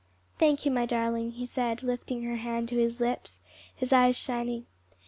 '" "Thank you, my darling," he said, lifting her hand to his lips, his eyes shining.